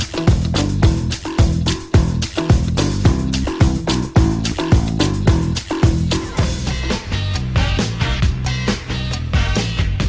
โปรดติดตามตอนต่อไป